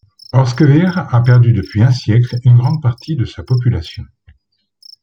Orschwihr a perdu depuis un siècle une grande partie de sa population.